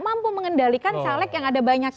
mampu mengendalikan caleg yang ada banyak